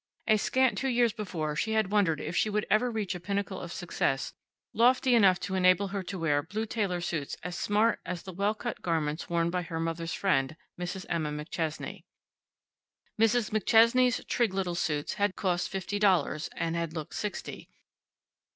A scant two years before she had wondered if she would ever reach a pinnacle of success lofty enough to enable her to wear blue tailor suits as smart as the well cut garments worn by her mother's friend, Mrs. Emma McChesney. Mrs. McChesney's trig little suits had cost fifty dollars, and had looked sixty.